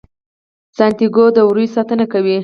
سانتیاګو د وریو ساتنه کوي.